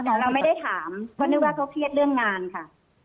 แต่เราไม่ได้ถามเพราะนึกว่าเขาเครียดเรื่องงานค่ะ